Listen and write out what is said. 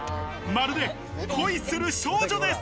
まるで恋する少女です。